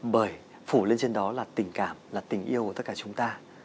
bởi phủ lên trên đó là tình cảm là tình yêu của tất cả chúng ta